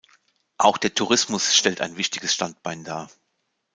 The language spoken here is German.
Auch der Tourismus stellt ein wichtiges Standbein dar.